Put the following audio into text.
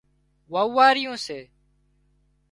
وئوئاريون سي